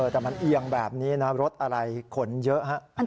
แต่มันเอียงแบบนี้นะครับรถอะไรขนเยอะครับ